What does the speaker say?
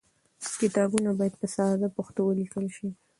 کتابونه باید په ساده پښتو ولیکل شي.